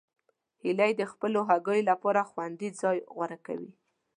هیلۍ د خپلو هګیو لپاره خوندي ځای غوره کوي